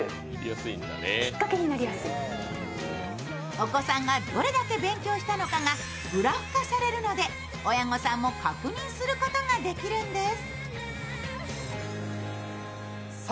お子さんがどれだけ勉強したのかがグラフ化されるので親御さんも確認することができるんです。